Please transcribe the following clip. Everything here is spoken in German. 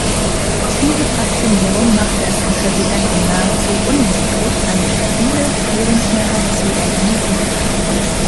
Diese Fraktionierung machte es dem Präsidenten nahezu unmöglich, eine stabile Regierungsmehrheit zu organisieren.